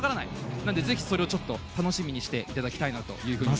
なので、ぜひそれを楽しみにしていただきたいと思います。